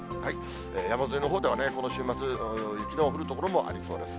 山沿いのほうではね、この週末、雪の降る所もありそうです。